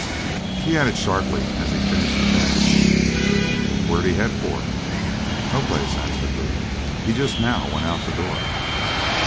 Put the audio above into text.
"_ He added sharply, as he finished the bandaging: "Where'd he head for?" "No place," answered Lew. "He just now went out the door."